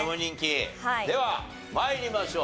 では参りましょう。